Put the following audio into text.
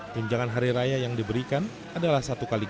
tunjangan hari raya yang diberikan adalah satu kali